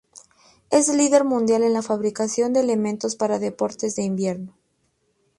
Es líder mundial en la fabricación de elementos para deportes de invierno.